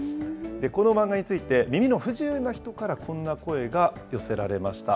この漫画について、耳の不自由な人からこんな声が寄せられました。